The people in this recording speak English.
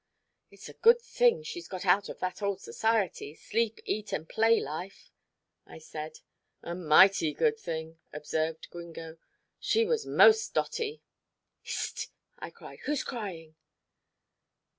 "It's a good thing she's got out of that old society, sleep eat and play life," I said. "A mighty good thing," observed Gringo. "She was most dotty." "Hist!" I cried, "who's crying?"